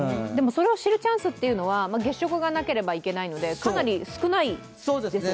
それを知るチャンスというのは月食がなければいけないのでかなり少ないですよね。